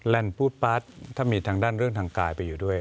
พูดปั๊ดถ้ามีทางด้านเรื่องทางกายไปอยู่ด้วย